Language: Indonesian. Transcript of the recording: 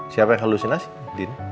siapa yang halusinasi din